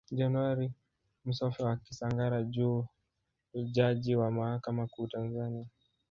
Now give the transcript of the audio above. Januari Msofe wa Kisangara Juu Jaji wa mahakama kuu Tanzania